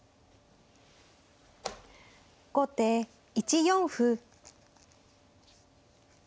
後手１四歩。